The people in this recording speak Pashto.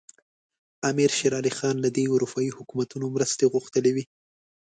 امیر شېر علي خان دې له اروپایي حکومتونو مرستې غوښتلي وي.